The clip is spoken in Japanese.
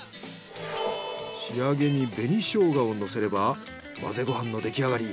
仕上げに紅ショウガをのせれば混ぜご飯の出来上がり。